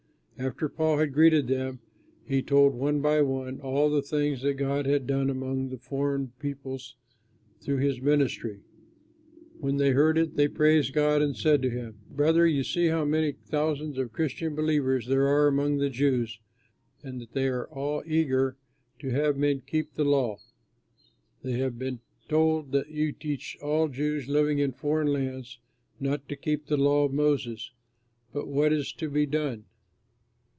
After Paul had greeted them, he told, one by one, all the things that God had done among the foreign peoples through his ministry. When they heard it they praised God and said to him, "Brother, you see how many thousands of Christian believers there are among the Jews and that they are all eager to have men keep the law. They have been told that you teach all Jews living in foreign lands not to keep the law of Moses. Now what is to be done?